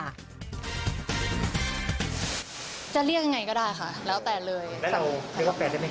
จะเรียกยังไงก็ได้ค่ะแล้วแต่เลย